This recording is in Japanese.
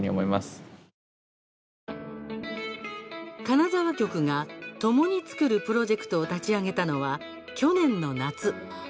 金沢局が“共に創る”プロジェクトを立ち上げたのは、去年の夏。